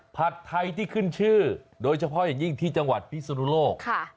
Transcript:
ผัดไทยที่ขึ้นชื่อโดยเฉพาะอย่างยิ่งที่จังหวัดพิศนุโลก